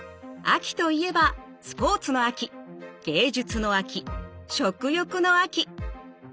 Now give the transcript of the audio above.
秋といえばスポーツの秋芸術の秋食欲の秋。